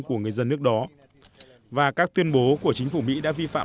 của người dân nước đó và các tuyên bố của chính phủ mỹ đã vi phạm